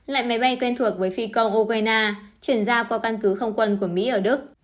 lại máy bay quen thuộc với phi công ukraine chuyển ra qua căn cứ không quân của mỹ ở đức